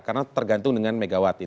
karena tergantung dengan megawati